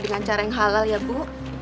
dengan cara yang halal ya bu